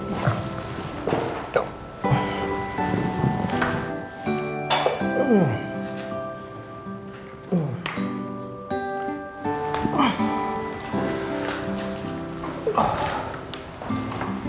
oke kita pindah ya pak